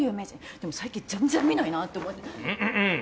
でも最近全然見ないなって思って。